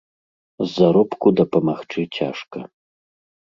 З заробку дапамагчы цяжка.